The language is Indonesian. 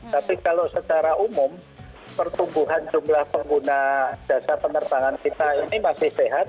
tapi kalau secara umum pertumbuhan jumlah pengguna jasa penerbangan kita ini masih sehat